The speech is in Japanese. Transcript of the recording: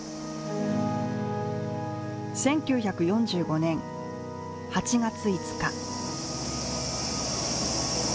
１９４５年８月５日。